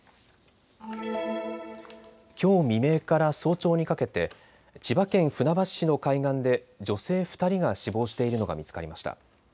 きょう未明から早朝にかけて千葉県船橋市の海岸で女性２人が死亡しているのが見つかりました。